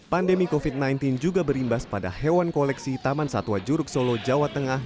pandemi covid sembilan belas juga berimbas pada hewan koleksi taman satwa juruk solo jawa tengah